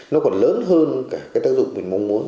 nó còn lớn hơn cả cái tác dụng mình mong muốn